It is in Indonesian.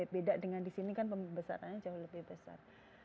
beda dengan di sini kan pembesarannya jauh lebih besar